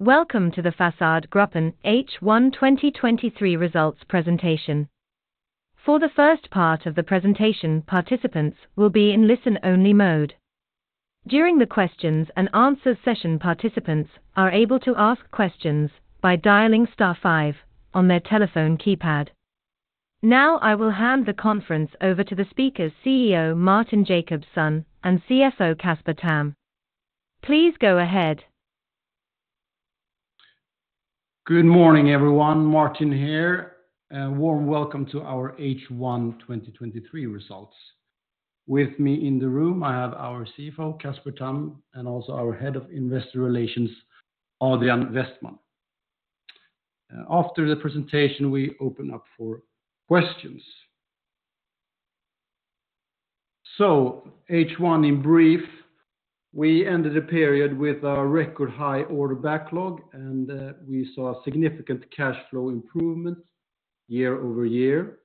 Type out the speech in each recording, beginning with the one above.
Welcome to the Fasadgruppen Group H1 2023 results presentation. For the first part of the presentation, participants will be in listen-only mode. During the questions and answer session, participants are able to ask questions by dialing star five on their telephone keypad. Now, I will hand the conference over to the speakers, CEO Martin Jacobsson and CFO Casper Tamm. Please go ahead. Good morning, everyone. Martin here. A warm welcome to our H1 2023 results. With me in the room, I have our CFO, Casper Tamm, and also our Head of Investor Relations, Adrian Westman. After the presentation, we open up for questions. H1, in brief, we ended the period with a record high order backlog, and we saw a significant cash flow improvement year-over-year.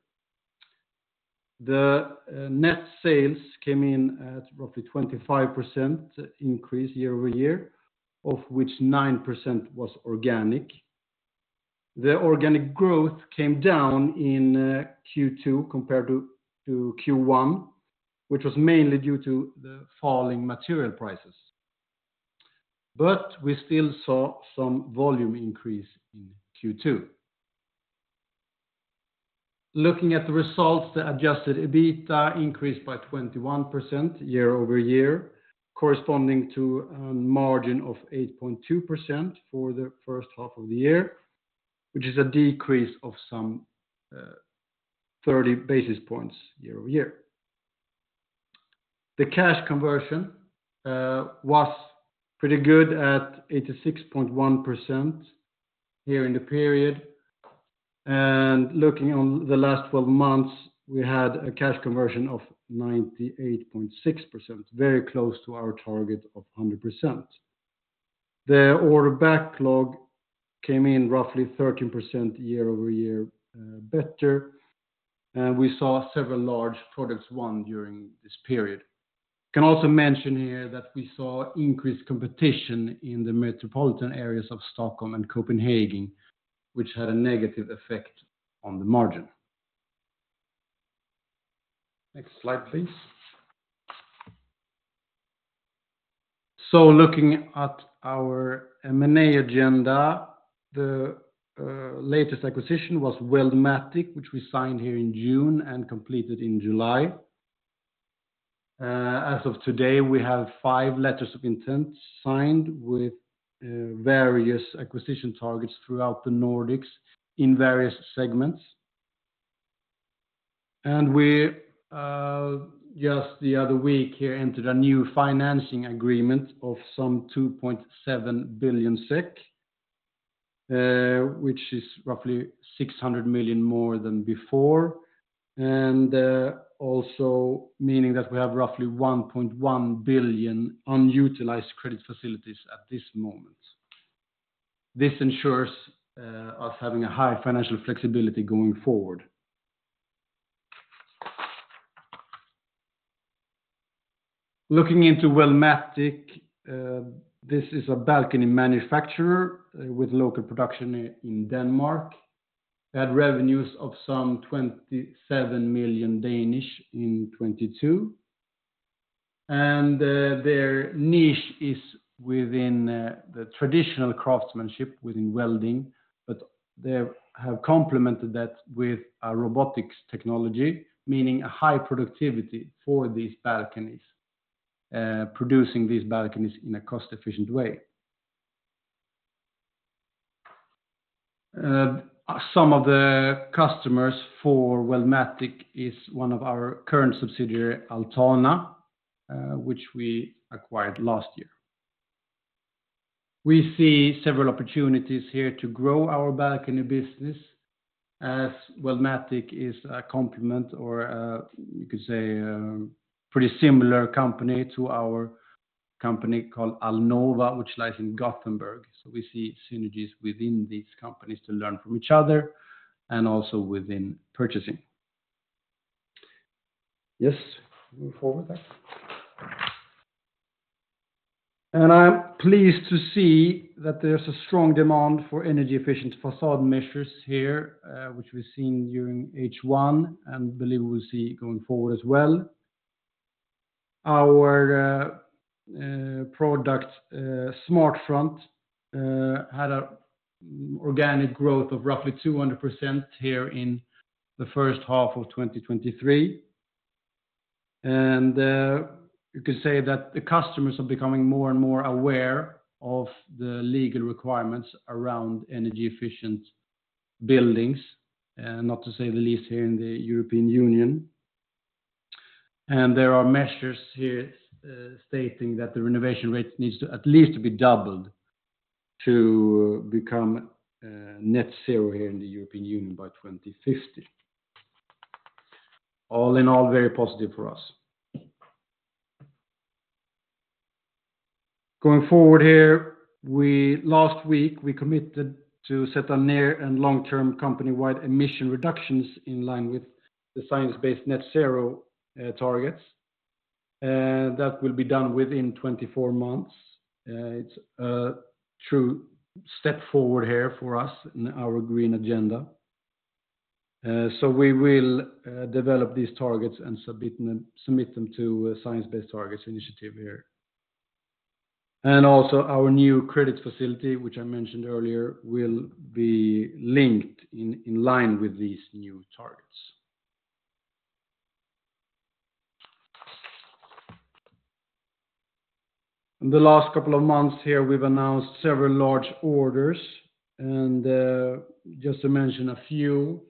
The net sales came in at roughly 25% increase year-over-year, of which 9% was organic. The organic growth came down in Q2 compared to Q1, which was mainly due to the falling material prices, but we still saw some volume increase in Q2. Looking at the results, the Adjusted EBITA increased by 21% year-over-year, corresponding to a margin of 8.2% for the first half of the year, which is a decrease of some, 30 basis points year-over-year. The cash conversion was pretty good at 86.1% here in the period. Looking on the last 12 months, we had a cash conversion of 98.6%, very close to our target of 100%. The order backlog came in roughly 13% year-over-year better, and we saw several large products won during this period. I can also mention here that we saw increased competition in the metropolitan areas of Stockholm and Copenhagen, which had a negative effect on the margin. Next slide, please. Looking at our M&A agenda, the latest acquisition was Weldmatic, which we signed here in June and completed in July. As of today, we have five letters of intent signed with various acquisition targets throughout the Nordics in various segments. We just the other week here, entered a new financing agreement of some 2.7 billion SEK, which is roughly 600 million more than before, also meaning that we have roughly 1.1 billion unutilized credit facilities at this moment. This ensures us having a high financial flexibility going forward. Looking into Weldmatic, this is a balcony manufacturer with local production in Denmark. They had revenues of some 27 million in 2022, their niche is within the traditional craftsmanship within welding, but they have complemented that with a robotics technology, meaning a high productivity for these balconies, producing these balconies in a cost-efficient way. Some of the customers for Weldmatic is one of our current subsidiary, Altan.dk, which we acquired last year. We see several opportunities here to grow our balcony business, as Weldmatic is a complement, or, you could say, pretty similar company to our company called Alnova, which lies in Gothenburg. We see synergies within these companies to learn from each other and also within purchasing. Yes, move forward there. I'm pleased to see that there's a strong demand for energy efficient facade measures here, which we've seen during H1, and believe we'll see going forward as well. Our product, SmartFront, had an organic growth of roughly 200% here in the first half of 2023. You could say that the customers are becoming more and more aware of the legal requirements around energy efficient buildings, not to say the least, here in the European Union. There are measures here, stating that the renovation rate needs to at least be doubled to become net zero here in the European Union by 2050. All in all, very positive for us. Going forward here, last week, we committed to set a near and long-term company-wide emission reductions in line with the science-based net zero targets. That will be done within 24 months. It's a true step forward here for us in our green agenda. So we will develop these targets and submit them, submit them to a Science Based Targets initiative here. Also our new credit facility, which I mentioned earlier, will be linked in, in line with these new targets. In the last couple of months here, we've announced several large orders, just to mention a few,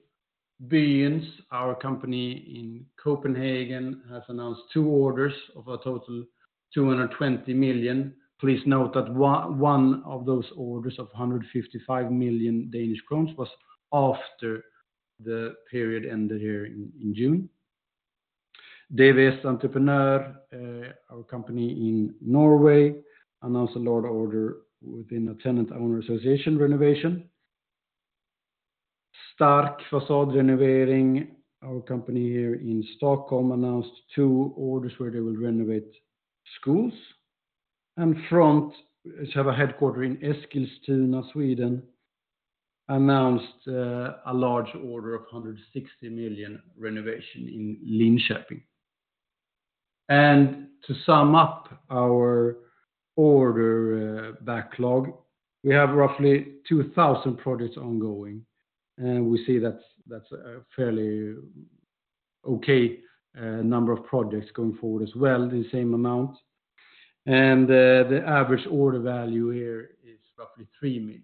Byens, our company in Copenhagen, has announced two orders of a total 220 million. Please note that one of those orders of 155 million Danish crowns was after the period ended here in, in June. DVS Entreprenør, our company in Norway, announced a large order within a tenant owner association renovation. Stark Fasadrenovering, our company here in Stockholm, announced two orders where they will renovate schools. Front, which have a headquarter in Eskilstuna, Sweden, announced a large order of 160 million renovation in Linköping. To sum up our order backlog, we have roughly 2,000 projects ongoing, and we see that's, that's a fairly okay number of projects going forward as well, the same amount. The average order value here is roughly 3 million.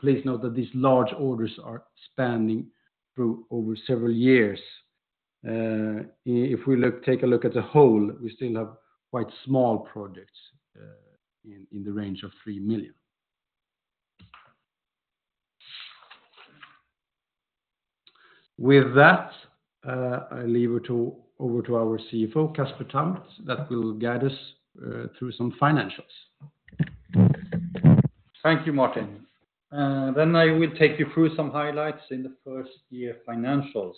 Please note that these large orders are spanning through over several years. If we take a look at the whole, we still have quite small projects in the range of 3 million. With that, I leave it to, over to our CFO, Casper Tamm, that will guide us through some financials. Thank you, Martin. I will take you through some highlights in the first year financials.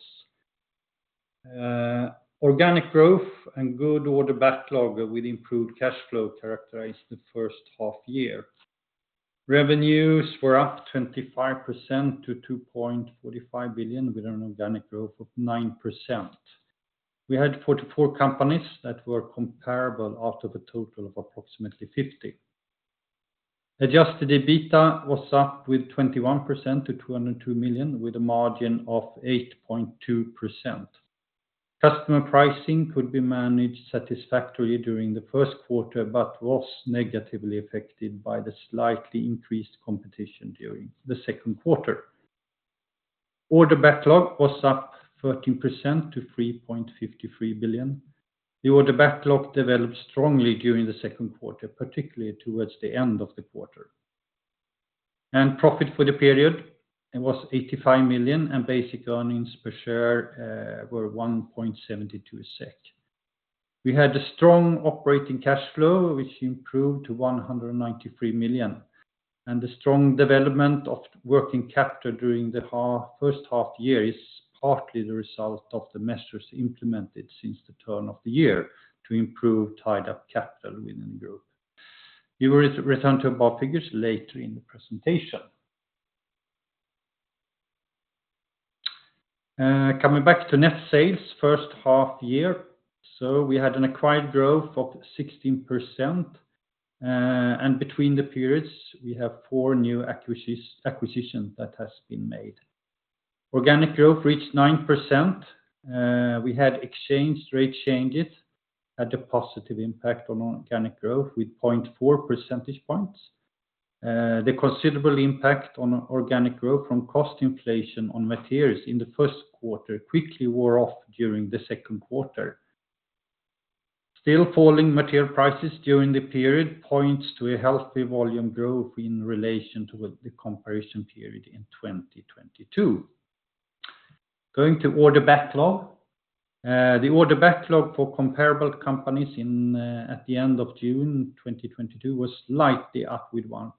Organic growth and good order backlog with improved cash flow characterized the first half year. Revenues were up 25% to 2.45 billion, with an organic growth of 9%. We had 44 companies that were comparable out of a total of approximately 50. Adjusted EBITDA was up with 21% to 202 million, with a margin of 8.2%. Customer pricing could be managed satisfactorily during the first quarter, but was negatively affected by the slightly increased competition during the second quarter. Order backlog was up 13% to 3.53 billion. The order backlog developed strongly during the second quarter, particularly towards the end of the quarter. Profit for the period, it was 85 million, and basic earnings per share were 1.72 SEK. We had a strong operating cash flow, which improved to 193 million, and the strong development of working capital during the first half year is partly the result of the measures implemented since the turn of the year to improve tied up capital within the group. We will return to about figures later in the presentation. Coming back to net sales, first half year, we had an acquired growth of 16%, and between the periods, we have four new acquisitions, acquisition that has been made. Organic growth reached 9%. We had exchange rate changes had a positive impact on organic growth with 0.4 percentage points. The considerable impact on organic growth from cost inflation on materials in the first quarter quickly wore off during the second quarter. Still, falling material prices during the period points to a healthy volume growth in relation to the comparison period in 2022. Going to order backlog. The order backlog for comparable companies in at the end of June 2022 was slightly up with 1%,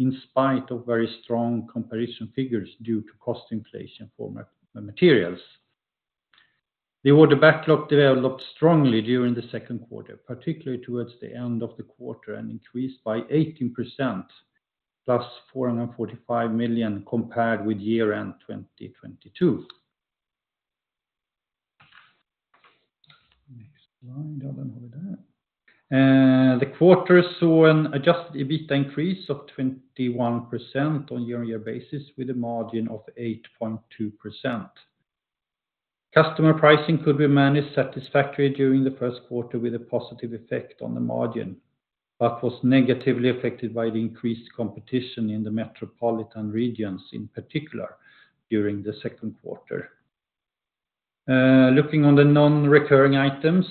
in spite of very strong comparison figures due to cost inflation for materials. The order backlog developed strongly during the second quarter, particularly towards the end of the quarter, and increased by 18%, plus 445 million compared with year-end 2022. Next slide, other than that. The quarter saw an adjusted EBITDA increase of 21% on a year-on-year basis, with a margin of 8.2%. Customer pricing could be managed satisfactory during Q1 with a positive effect on the margin, but was negatively affected by the increased competition in the metropolitan regions, in particular, during Q2. Looking on the non-recurring items,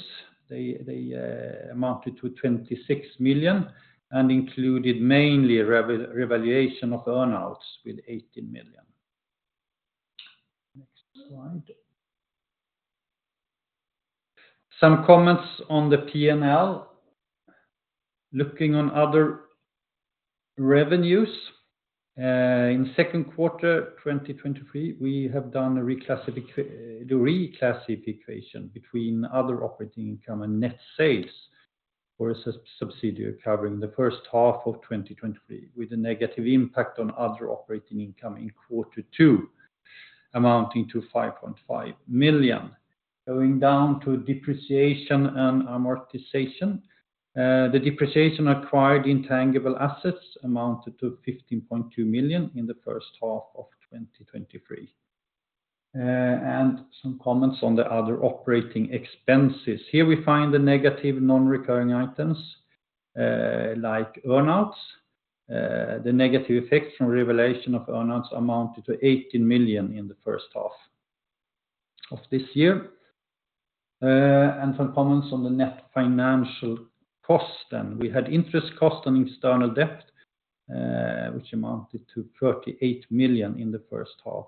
they amounted to 26 million and included mainly a revaluation of earn-outs with 18 million. Next slide. Some comments on the P&L. Looking on other revenues, in Q2 2023, we have done the reclassification between other operating income and net sales for a sub-subsidiary covering H1 2023, with a negative impact on other operating income in Q2, amounting to 5.5 million. Going down to depreciation and amortization, the depreciation acquired intangible assets amounted to 15.2 million in H1 2023. Some comments on the other operating expenses. Here we find the negative non-recurring items, like earn-outs. The negative effects from revaluation of earn-outs amounted to 18 million in the first half of this year. Some comments on the net financial cost then. We had interest cost on external debt, which amounted to 38 million in the first half.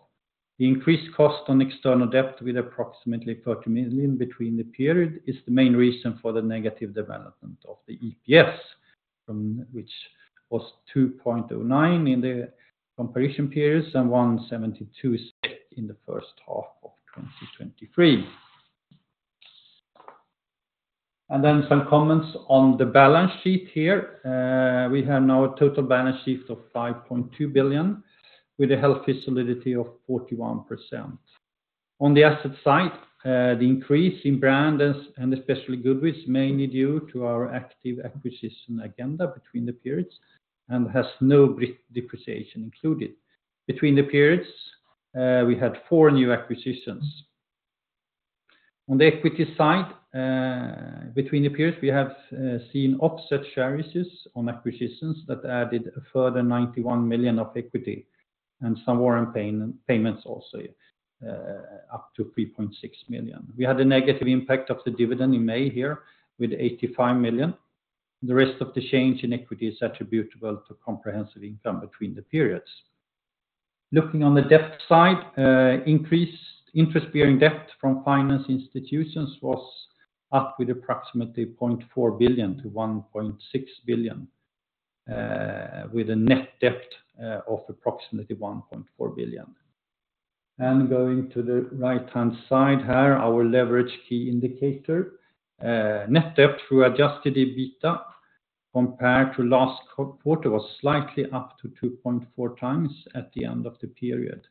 The increased cost on external debt, with approximately 30 million between the period, is the main reason for the negative development of the EPS, from which was 2.09 in the comparison periods, and 1.72 is in the first half of 2023. Some comments on the balance sheet here. We have now a total balance sheet of 5.2 billion, with a healthy solidity of 41%. On the asset side, the increase in brand and, and especially goodwill, mainly due to our active acquisition agenda between the periods and has no depreciation included. Between the periods, we had four new acquisitions. On the equity side, between the periods, we have seen offset share issues on acquisitions that added a further 91 million of equity and some warrant payments also, up to 3.6 million. We had a negative impact of the dividend in May here with 85 million. The rest of the change in equity is attributable to comprehensive income between the periods. Looking on the debt side, increased interest-bearing debt from finance institutions was up with approximately 0.4 billion to 1.6 billion, with a net debt of approximately 1.4 billion. Going to the right-hand side here, our leverage key indicator. Net debt to Adjusted EBITDA, compared to last quarter, was slightly up to 2.4x at the end of the period.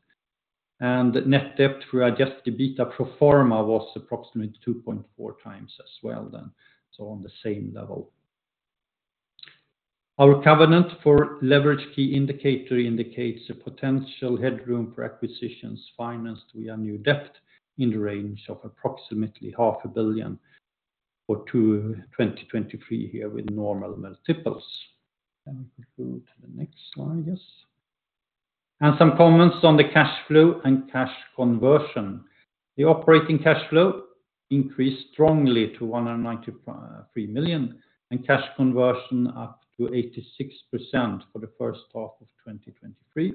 Net debt to Adjusted EBITDA pro forma was approximately 2.4x as well then, so on the same level. Our covenant for leverage key indicator indicates a potential headroom for acquisitions financed with our new debt in the range of approximately 500 million for 2023 here with normal multiples. We could go to the next slide, yes. Some comments on the cash flow and cash conversion. The operating cash flow increased strongly to 193 million, and cash conversion up to 86% for the first half of 2023.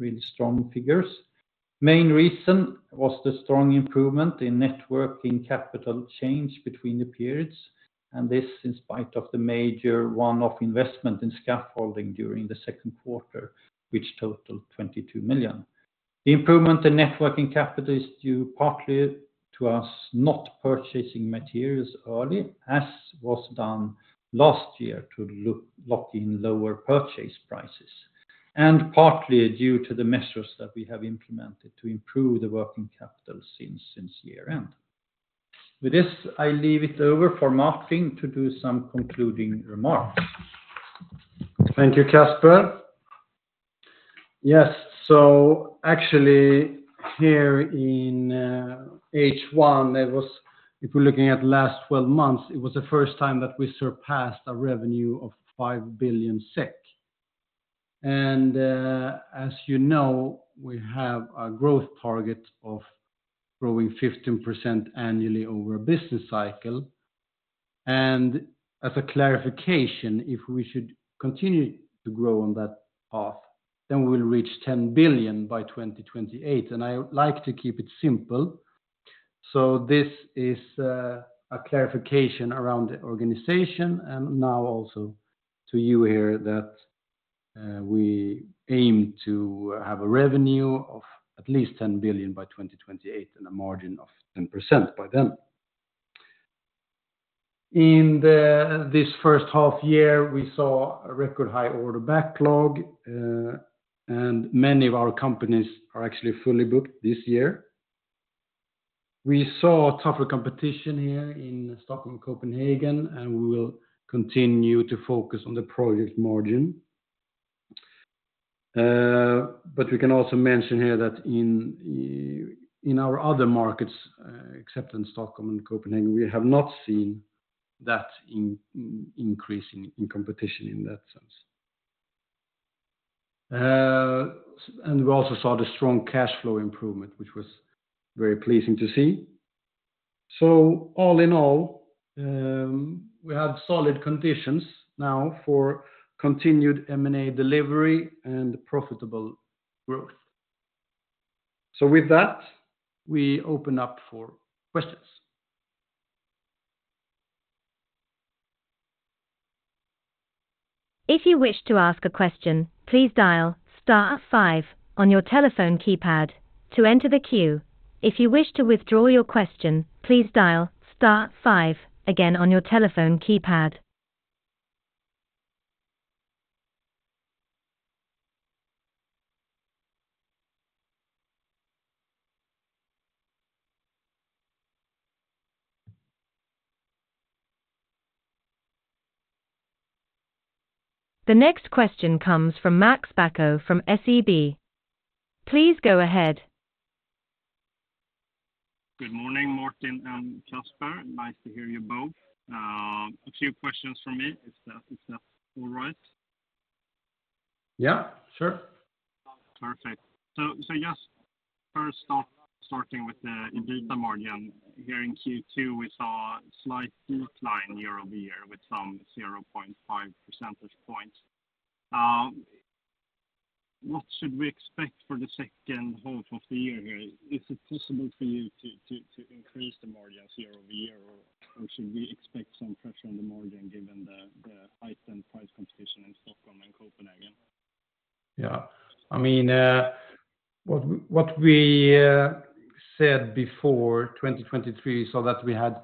Really strong figures. Main reason was the strong improvement in net working capital change between the periods, this in spite of the major one-off investment in scaffolding during the second quarter, which totaled 22 million. The improvement in net working capital is due partly to us not purchasing materials early, as was done last year to lock in lower purchase prices, partly due to the measures that we have implemented to improve the working capital since year-end. With this, I leave it over for Martin to do some concluding remarks. Thank you, Casper. Yes, actually here in H1, if we're looking at last twelve months, it was the first time that we surpassed a revenue of 5 billion SEK. As you know, we have a growth target of growing 15% annually over a business cycle. As a clarification, if we should continue to grow on that path, then we will reach 10 billion by 2028, and I like to keep it simple. This is a clarification around the organization and now also to you here that we aim to have a revenue of at least 10 billion by 2028 and a margin of 10% by then. This first half year, we saw a record high order backlog, many of our companies are actually fully booked this year. We saw tougher competition here in Stockholm, Copenhagen, and we will continue to focus on the project margin. We can also mention here that in, in our other markets, except in Stockholm and Copenhagen, we have not seen that increase in, in competition in that sense. We also saw the strong cash flow improvement, which was very pleasing to see. All in all, we have solid conditions now for continued M&A delivery and profitable growth. With that, we open up for questions. If you wish to ask a question, please dial star five on your telephone keypad to enter the queue. If you wish to withdraw your question, please dial star five again on your telephone keypad. The next question comes from Max Bäck from SEB. Please go ahead. Good morning, Martin and Casper. Nice to hear you both. A few questions from me, if that's all right? Yeah, sure. Perfect. Just first off, starting with the EBITDA margin. Here in Q2, we saw a slight decline year-over-year with some 0.5 percentage points. What should we expect for the second half of the year here? Is it possible for you to increase the margins year-over-year, or should we expect some pressure on the margin given the heightened price competition in Stockholm and Copenhagen? Yeah. I mean, what, what we said before 2023, so that we had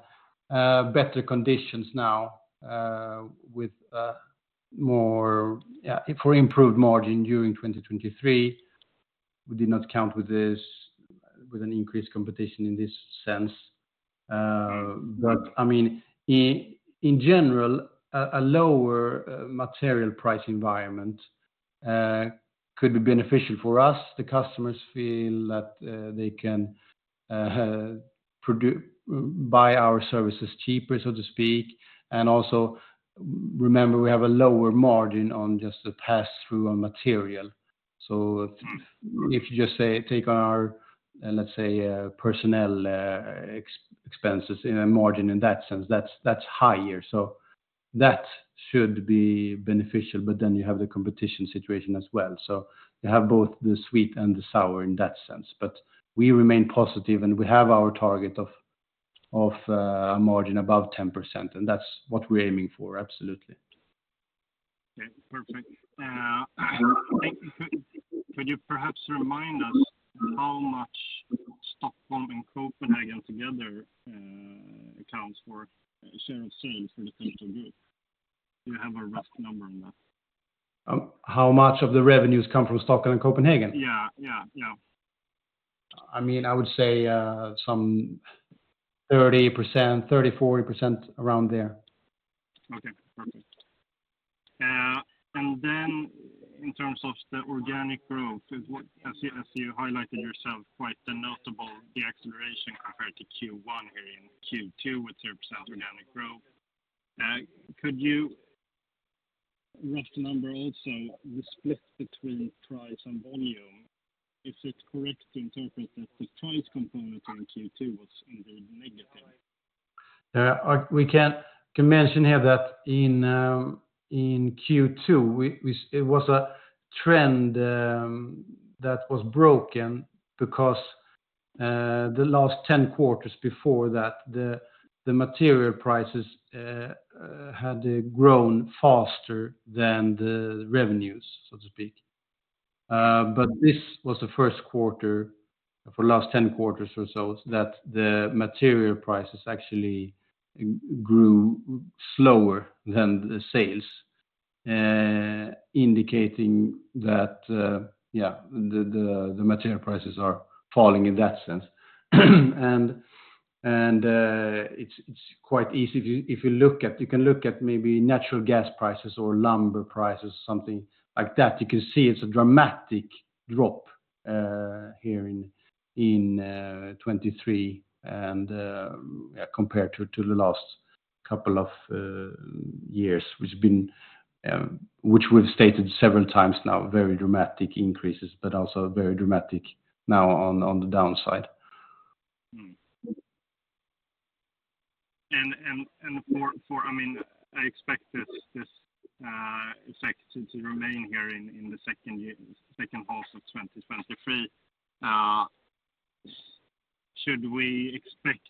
better conditions now, with more for improved margin during 2023. We did not count with this, with an increased competition in this sense. I mean, in general, a lower material price environment could be beneficial for us. The customers feel that they can buy our services cheaper, so to speak. Also, remember, we have a lower margin on just the pass-through on material. If you just say, take our, let's say, personnel expenses in a margin in that sense, that's, that's higher. That should be beneficial, but then you have the competition situation as well. You have both the sweet and the sour in that sense. We remain positive, and we have our target of, of, a margin above 10%, and that's what we're aiming for, absolutely. Okay, perfect. Could you perhaps remind us how much Stockholm and Copenhagen together accounts for share of sales for the group? Do you have a rough number on that? How much of the revenues come from Stockholm and Copenhagen? Yeah. Yeah, yeah. I mean, I would say, some 30%, 30%-40%, around there. Okay, perfect. Then in terms of the organic growth, as you, as you highlighted yourself, quite the notable deacceleration compared to Q1 here in Q2 with your % organic growth. Could you rough the number also, the split between price and volume? Is it correct to interpret that the price component in Q2 was indeed negative? We can mention here that in Q2, it was a trend that was broken because the last 10 quarters before that, the material prices had grown faster than the revenues, so to speak. This was the 1st quarter for the last 10 quarters or so, that the material prices actually grew slower than the sales, indicating that, yeah, the material prices are falling in that sense. It's quite easy if you look at. You can look at maybe natural gas prices or lumber prices, something like that. You can see it's a dramatic drop, here in, in, 2023 and, compared to, to the last couple of, years, which been, which we've stated several times now, very dramatic increases, but also very dramatic now on, on the downside. Mm. I mean, I expect this effect to remain here in the second year, second half of 2023. Should we expect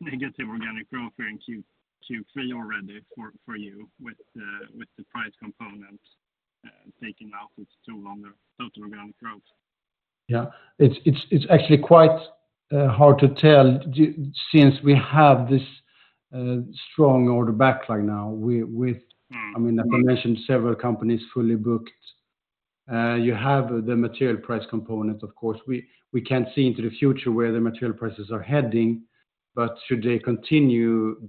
negative organic growth in Q3 already for you with the price component taking out its toll on the total organic growth? Yeah. It's, it's, it's actually quite hard to tell since we have this strong order backlog now with- Mm. I mean, I mentioned several companies fully booked. You have the material price component, of course. We, we can't see into the future where the material prices are heading, but should they continue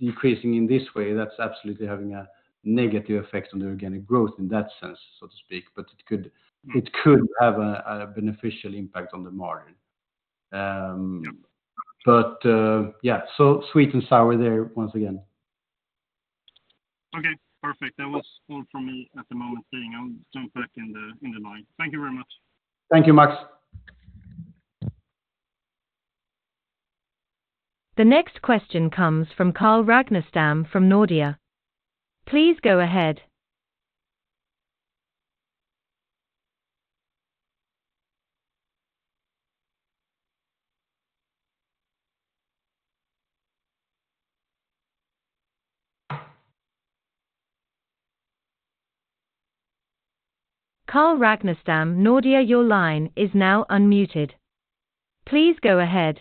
decreasing in this way, that's absolutely having a negative effect on the organic growth in that sense, so to speak, but it could, it could have a, a beneficial impact on the margin. Yeah. Yeah, sweet and sour there once again. Okay, perfect. That was all from me at the moment being. I'll jump back in the line. Thank you very much. Thank you, Max. The next question comes from Carl Ragnerstam Nordea. Please go ahead. Carl Ragnarstam, Nordea, your line is now unmuted. Please go ahead.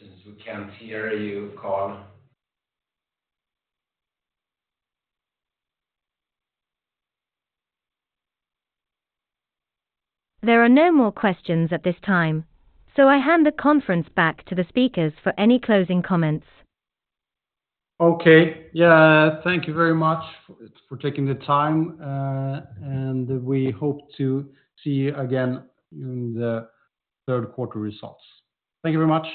Since we can't hear you, Carl. There are no more questions at this time, so I hand the conference back to the speakers for any closing comments. Okay. Yeah, thank you very much for taking the time. We hope to see you again in the third quarter results. Thank you very much.